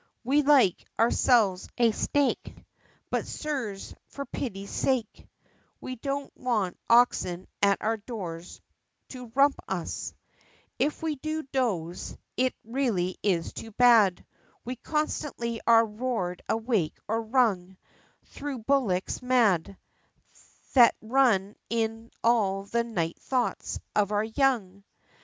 We like, ourselves, a steak, But, Sirs, for pity's sake! We don't want oxen at our doors to rump us!" "If we do doze it really is too bad! We constantly are roar'd awake or rung, Through bullocks mad That run in all the 'Night Thoughts' of our Young!"